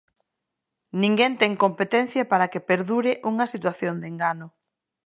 Ninguén ten competencia para que perdure unha situación de engano.